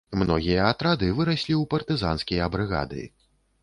Многія атрады выраслі ў партызанскія брыгады.